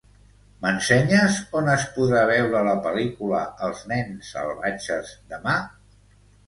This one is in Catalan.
M'ensenyes on es podrà veure la pel·lícula "Els nens salvatges" demà?